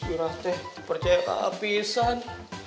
iya deh percaya keapisan